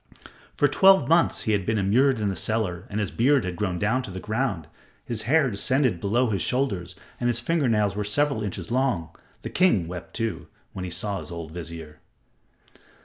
For twelve months he had been immured in the cellar and his beard had grown down to the ground, his hair descended below his shoulders and his finger nails were several inches long. The king wept, too, when he saw his old vizier.